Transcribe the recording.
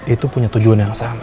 itu punya tujuan yang sama